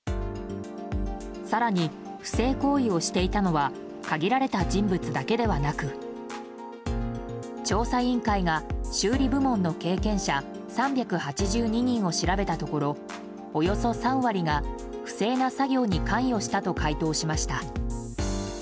更に不正行為をしていたのは限られた人物だけではなく調査委員会が修理部門の経験者３８２人を調べたところ、およそ３割が不正な作業に関与したと回答しました。